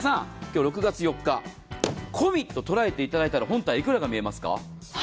今日、６月４日込みと捉えていただいたら本体、いくらが見えますか？